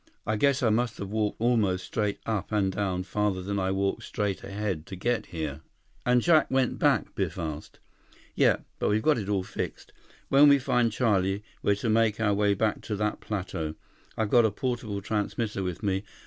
I guess I must have walked almost straight up and down farther than I walked straight ahead to get here." "And Jack went back?" Biff asked. "Yep. But we've got it all fixed. When we find Charlie, we're to make our way back to that plateau. I've got a portable transmitter with me.